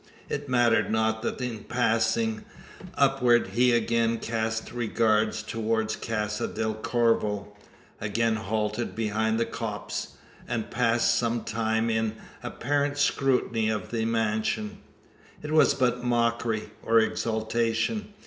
It mattered not, that in passing upwards he again cast regards towards Casa del Corvo; again halted behind the copse, and passed some time in apparent scrutiny of the mansion. It was but mockery or exultation.